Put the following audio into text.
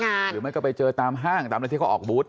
หรือไม่ก็ไปเจอตามห้างตามอะไรที่เขาออกบูธ